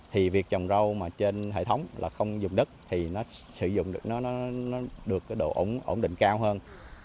thì việc trồng rau mà trên hệ thống là không dùng đất thì nó được độ ổn định cao hơn